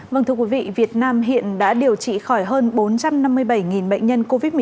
vâng thưa quý vị việt nam hiện đã điều trị khỏi hơn bốn trăm năm mươi bảy bệnh nhân covid một mươi chín